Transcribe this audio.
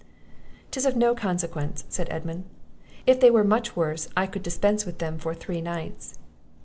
"'Tis of no consequence," said Edmund; "if they were much worse, I could dispense with them for three nights."